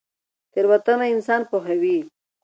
تیروتنه انسان پوهوي